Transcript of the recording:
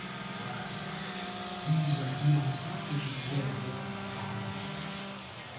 Alas, these idylls of the kitchen are all written in the drawing room.